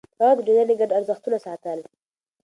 هغه د ټولنې ګډ ارزښتونه ساتل.